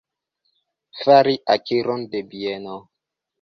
Fari akiron de bieno.